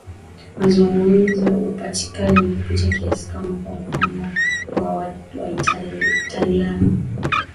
mazungumzo upachikaji kupita kiasi kama kwa mfano kwa Waitaliano